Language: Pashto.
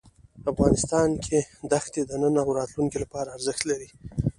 افغانستان کې دښتې د نن او راتلونکي لپاره ارزښت لري.